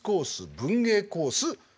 文芸コース